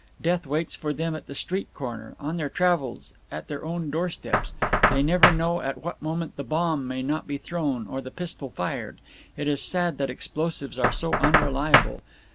Death waits for them at the street corner, on their travels, at their own doorsteps. They never know at what moment the bomb may not be thrown, or the pistol fired. It is sad that explosives are so unreliable.